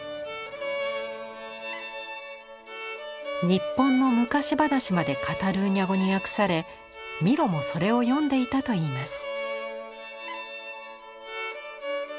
日本の昔話までカタルーニャ語に訳されミロもそれを読んでいたといいます。